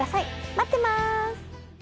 待ってます！